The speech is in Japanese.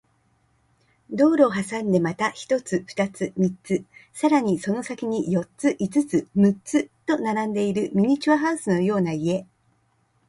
道路を挟んでまた一つ、二つ、三つ、さらにその先に四つ、五つ、六つと並んでいるミニチュアハウスのような家